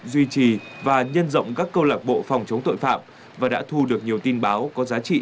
duy trì và nhân rộng các câu lạc bộ phòng chống tội phạm và đã thu được nhiều tin báo có giá trị